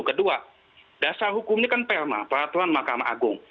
kedua dasar hukumnya kan perma peraturan makam agung